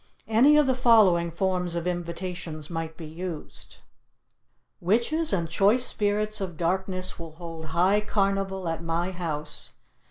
Any of the following forms of invitations might be used. Witches and Choice Spirits of Darkness will hold High Carnival at my house